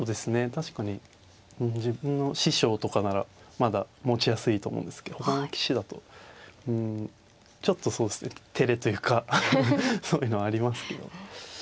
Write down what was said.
確かに自分の師匠とかならまだ持ちやすいと思うんですけどほかの棋士だとちょっとそうですねてれというかそういうのありますけど。